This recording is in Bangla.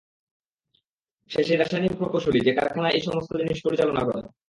সে সেই রাসায়নিক প্রকৌশলী যে কারখানার এই সমস্ত জিনিস পরিচালনা করে।